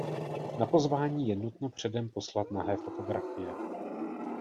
Na pozvání je nutno předem poslat nahé fotografie.